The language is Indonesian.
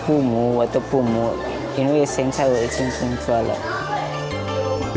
pimpinan pondok pesantren darul inayah mengaku banyak manfaat yang mereka dapatkan terutama untuk para santri